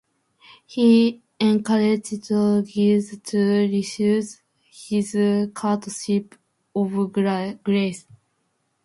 He encourages Giles to resume his courtship of Grace.